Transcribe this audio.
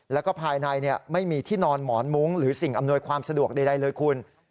แล้วก็ภายในไม่มีที่นอนหมอนมุ้งหรือสิ่งอำนวยความสะดวกใดเลยคุณ